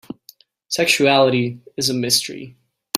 Sexuality is a mystery.